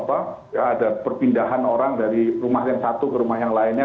ada perpindahan orang dari rumah yang satu ke rumah yang lainnya